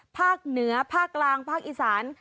ภาคเหนือภาคกลางภาคอีสาน